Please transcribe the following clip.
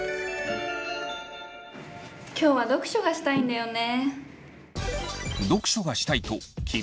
今日は読書がしたいんだよね。